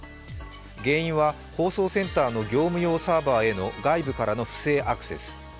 原因は放送センターの業務用サーバーへの外部からの不正アクセス。